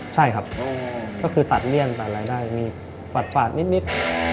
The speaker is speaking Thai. ใช่ครับก็คือตัดเลี่ยงตัดรายได้มีฝาดนิด